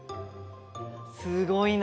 すごいな！